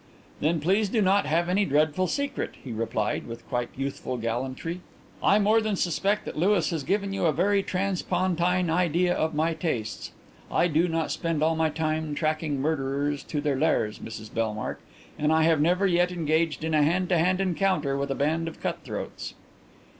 "Then please do not have any dreadful secret," he replied, with quite youthful gallantry. "I more than suspect that Louis has given you a very transpontine idea of my tastes. I do not spend all my time tracking murderers to their lairs, Mrs Bellmark, and I have never yet engaged in a hand to hand encounter with a band of cut throats."